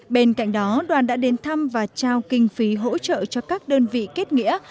bên cạnh đó đoàn đã đến thăm và trao kinh phí hỗ trợ cho các đơn vị kết nghĩa